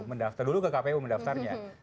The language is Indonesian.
mendaftar dulu ke kpu mendaftarnya